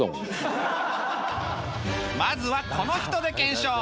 まずはこの人で検証！